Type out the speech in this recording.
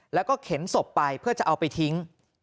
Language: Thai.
แล้วก็เข็นศพไปเพื่อจะเอาไปทิ้ง